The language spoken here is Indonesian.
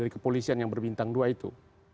dari kepolisian yang berbintang dua itu